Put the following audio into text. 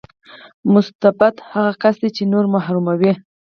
مستبد هغه کس دی چې نور محروموي.